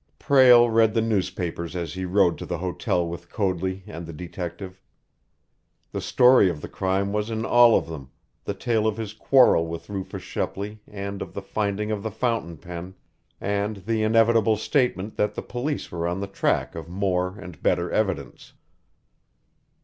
Prale read the newspapers as he rode to the hotel with Coadley and the detective. The story of the crime was in all of them, the tale of his quarrel with Rufus Shepley and of the finding of the fountain pen, and the inevitable statement that the police were on the track of more and better evidence.